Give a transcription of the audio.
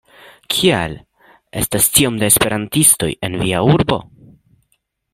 Kial estas tiom da Esperantistoj en via urbo?